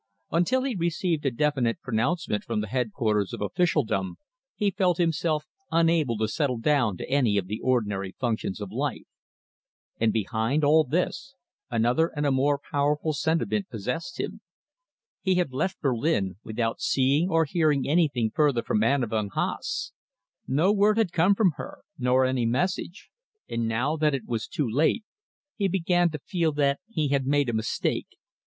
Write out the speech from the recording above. Until he received a definite pronouncement from the head quarters of officialdom, he felt himself unable to settle down to any of the ordinary functions of life. And behind all this, another and a more powerful sentiment possessed him. He had left Berlin without seeing or hearing anything further from Anna von Haase. No word had come from her, nor any message. And now that it was too late, he began to feel that he had made a mistake.